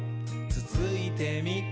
つついてみ？」